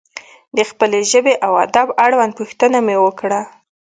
د خپلې ژبې و ادب اړوند پوښتنه مې وکړه.